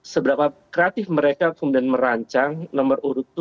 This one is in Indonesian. seberapa kreatif mereka kemudian merancang nomor urut tujuh